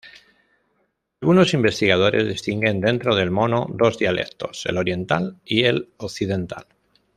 Algunos investigadores distinguen dentro del Mono dos dialectos el oriental y el occidental.